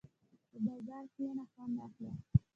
په باران کښېنه، خوند اخله.